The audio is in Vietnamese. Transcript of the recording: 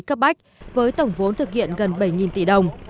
cấp bách với tổng vốn thực hiện gần bảy tỷ đồng